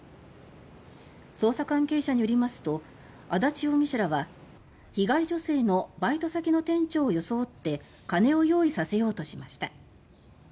捜査関係者によりますと足立容疑者らは被害女性のバイト先の店長を装って金を用意させようとしました。